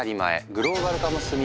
グローバル化も進み